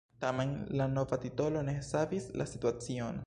Tamen la nova titolo ne savis la situacion.